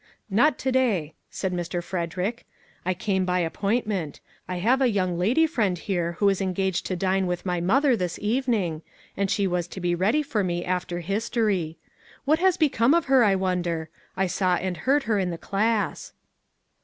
" Not to day," said Mr. Frederick ;" I came by appointment. I have a young friend here who is engaged to dine with my mother this evening, and she was to be ready for me after history. What has become of her, I wonder? I saw and heard her in the class."